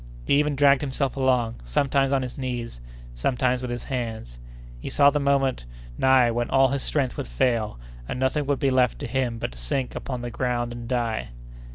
He even dragged himself along, sometimes on his knees, sometimes with his hands. He saw the moment nigh when all his strength would fail, and nothing would be left to him but to sink upon the ground and die.